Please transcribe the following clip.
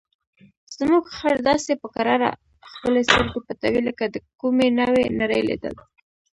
زموږ خر داسې په کراره خپلې سترګې پټوي لکه د کومې نوې نړۍ لیدل.